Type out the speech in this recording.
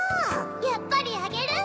やっぱりあげる。